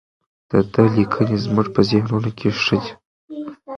د ده لیکنې زموږ په ذهنونو کې دي.